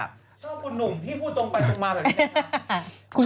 เรื่องคุณหนุ่มพี่พูดตรงไปตรงมาแบบนี้